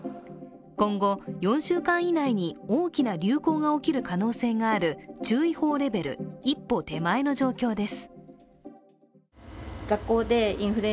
今後、４週間以内に大きな流行が起きる可能性がある注意報レベル一歩手前の状況です